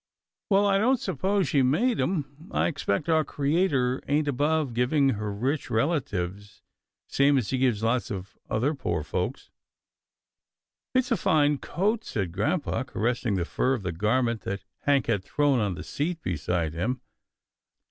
" Well, I don't s'pose she made him. I expect our Creator ain't above giving her rich relatives, same as He gives lots of other poor folks." " It's a fine coat," said grampa, caressing the fur of the garment that Hank had thrown on the seat beside him.